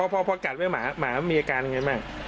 พอกัดไว้หมามีอาการไงบ้าง